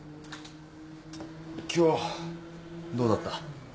今日どうだった？